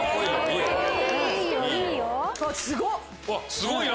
すごいな。